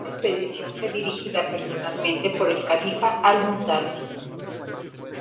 Esta expedición fue dirigida personalmente por el califa Al-Mutasim.